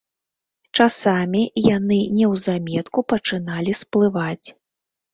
Часамі яны неўзаметку пачыналі сплываць.